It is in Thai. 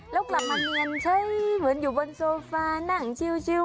แล้วกลับมาเนียนเฉยเหมือนอยู่บนโซฟานั่งชิว